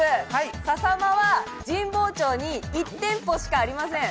ささまは神保町に１店舗しかありません。